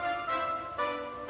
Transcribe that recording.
sampai jumpa lagi